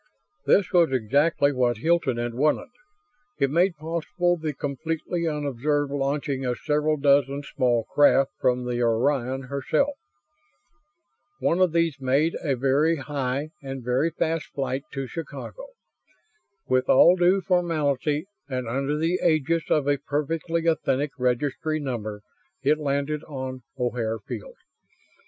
This was exactly what Hilton had wanted. It made possible the completely unobserved launching of several dozen small craft from the Orion herself. One of these made a very high and very fast flight to Chicago. With all due formality and under the aegis of a perfectly authentic Registry Number it landed on O'Hare Field.